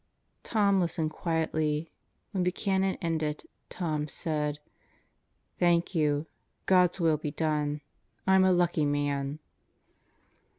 Tom listened quietly. When Buchanan ended, Tom said: "Thank you. God's will be done. I'm a lucky man."